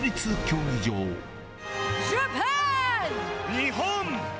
日本。